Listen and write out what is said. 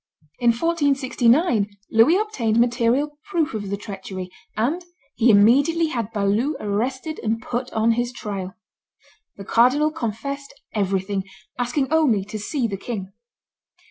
In 1469 Louis obtained material proof of the treachery; and he immediately had Balue arrested and put on his trial. The cardinal confessed everything, asking only to see the king.